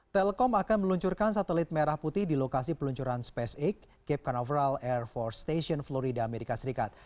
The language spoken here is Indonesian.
telekom akan meluncurkan satelit merah putih di lokasi peluncuran spacex cape canaveral air force station florida amerika serikat